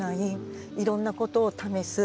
いろんなことを試す。